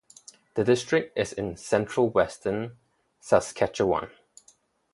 The district is in Central-Western Saskatchewan.